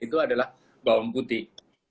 itu adalah bawang putih